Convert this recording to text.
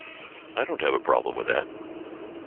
I don't have a problem with that.